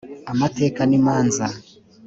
amateka n imanza